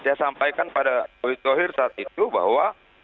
saya sampaikan pada erick thohir saat itu bahwa